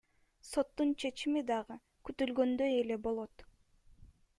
Соттун чечими дагы күтүлгөндөй эле болот.